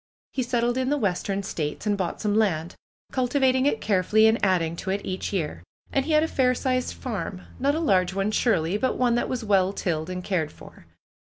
He settled in the Western states, and bought some land, cultivating it carefully and adding to it each year. And he had a fair sized farm, not a large one, surely, but one that was well tilled and cared for.